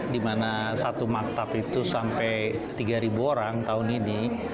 di mana satu maktab itu sampai tiga orang tahun ini